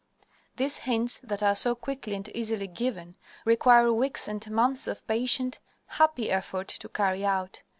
These hints that are so quickly and easily given, require weeks and months of patient, happy effort to carry out.